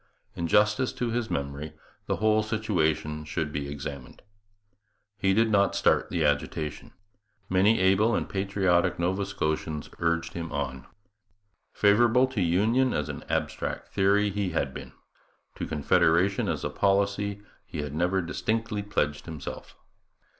In justice to his memory the whole situation should be examined. He did not start the agitation. Many able and patriotic Nova Scotians urged him on. Favourable to union as an abstract theory he had been: to Confederation as a policy he had never distinctly pledged himself.